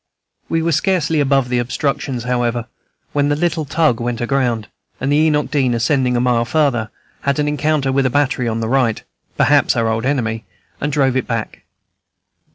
We were scarcely above the obstructions, however, when the little tug went aground, and the Enoch Dean, ascending a mile farther, had an encounter with a battery on the right, perhaps our old enemy, and drove it back.